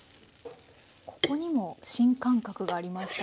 ここにも新感覚がありました。